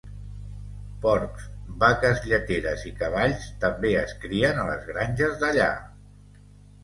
Porcs, vaques lleteres i cavalls també es crien a les granges d'allà.